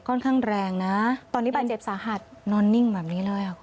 ค่อนข้างแรงนะตอนนี้บาดเจ็บสาหัสนอนนิ่งแบบนี้เลยค่ะคุณ